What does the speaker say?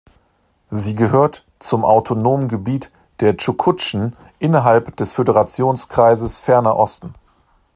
Sie gehört zum Autonomen Gebiet der Tschuktschen innerhalb des Föderationskreises Ferner Osten.